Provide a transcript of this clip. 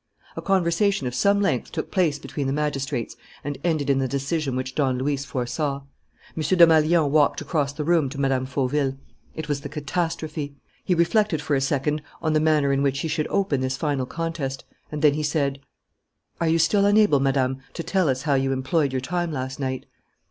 A conversation of some length took place between the magistrates and ended in the decision which Don Luis foresaw. M. Desmalions walked across the room to Mme. Fauville. It was the catastrophe. He reflected for a second on the manner in which he should open this final contest, and then he asked: "Are you still unable, Madame, to tell us how you employed your time last night?"